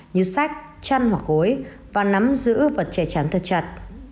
như sách chăn hoặc gối và nắm giữ vật che chắn thật chặt